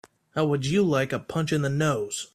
How would you like a punch in the nose?